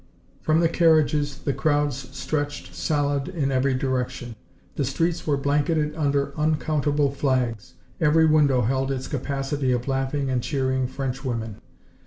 From the carriages the crowds stretched solid in every direction. The streets were blanketed under uncountable flags. Every window held its capacity of laughing and cheering Frenchwomen.